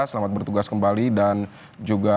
selamat bertugas kembali dan juga